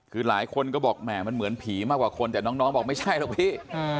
คือหลายคนก็บอกแหม่มันเหมือนผีมากกว่าคนแต่น้องบอกไม่ใช่หรอกพี่